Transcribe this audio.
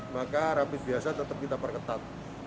maka rapid biasa tetap kita perketat